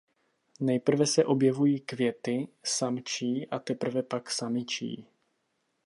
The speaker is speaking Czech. Nejprve se objevují květy samčí a teprve pak samičí.